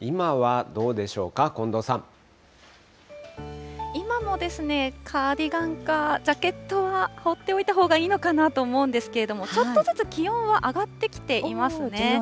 今はどうでしょうか、今もですね、カーディガンかジャケットは羽織っておいたほうがいいのかなと思うんですけれども、ちょっとずつ気温は上がってきていますね。